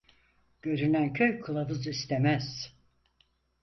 Görünen köy kılavuz istemez.